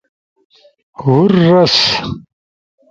ہور رس